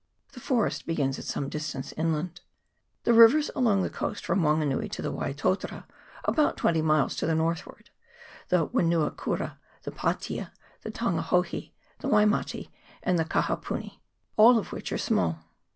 The forest begins at some distance inland. The rivers along the coast from Wanganui are the Waitotara, about twenty miles to the north ward, the Wenuakura, the Patea, the Tangahohi, the Waimate, and the Kakapuni, all of which are small.